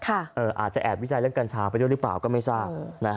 อาจจะแอบวิจัยเรื่องกัญชาไปด้วยหรือเปล่าก็ไม่ทราบ